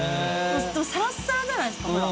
サラッサラじゃないですか。